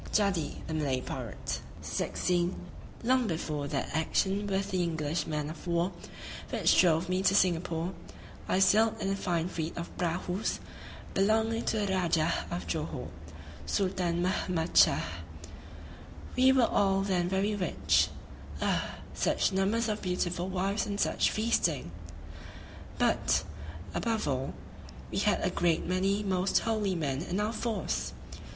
JADDI THE MALAY PIRATE Long before that action with the English man of war which drove me to Singapore, I sailed in a fine fleet of prahus belonging to the Rajah of Johore [Sultân Mahmâd Shâh]. We were all then very rich ah! such numbers of beautiful wives and such feasting! but, above all, we had a great many most holy men in our force!